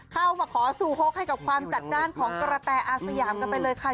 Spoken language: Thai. เข้ามาขอสู่ฮกให้กับความจัดจ้านของกระแตอาสยามกันไปเลยค่ะ